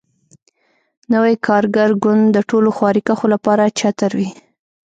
نوی کارګر ګوند د ټولو خواریکښو لپاره چتر وي.